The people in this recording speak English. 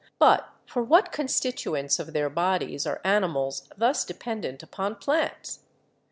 But for what constitu ents of their bodies are animals thus dependent upon plants?